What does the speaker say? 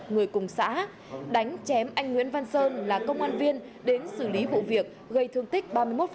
người cùng xã đánh chém anh nguyễn văn sơn là công an viên đến xử lý vụ việc gây thương tích ba mươi một